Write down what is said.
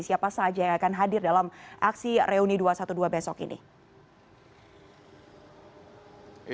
siapa saja yang akan hadir dalam aksi reuni dua ratus dua belas besok ini